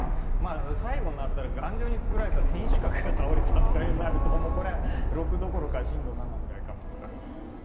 最後になったら頑丈に造られた天守閣が倒れたとかになるともうこれは６どころか震度７ぐらいかもとか。